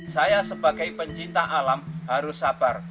saya sebagai pencinta alam harus sabar